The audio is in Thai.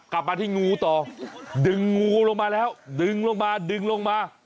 กลับมาที่งูต่อดึงงูลงมาแล้วดึงลงมาดึงลงมา